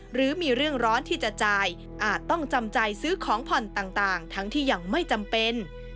หรือมีเรื่องร้อนที่จะจ่ายอาจต้องจำใจซื้อของผ่อนต่างทั้งที่ยังไม่จำเป็น